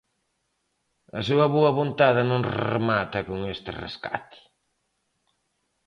A súa boa vontade non remata con este rescate.